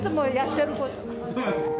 そうなんですね。